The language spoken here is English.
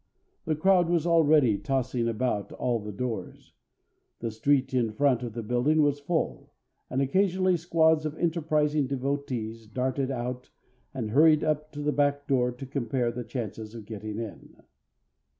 The crowd was already tossing about all the doors. The street in front of the building was full, and occasionally squads of enterprising devotees darted out and hurried up to the back door to compare the chances of getting in.